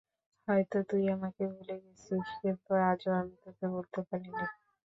হয়তো তুই আমাকে ভুলে গেছিস, কিন্তু আজও আমি তোকে ভুলতে পারিনি।